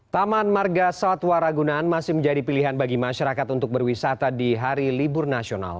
taman marga satwa ragunan masih menjadi pilihan bagi masyarakat untuk berwisata di hari libur nasional